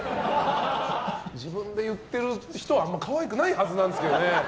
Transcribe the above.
自分で言ってる人はあんまり可愛くないはずなんですけどね。